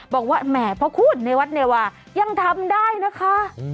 บอกว่าแหมพระคุณในวัดเนวายังทำได้นะคะ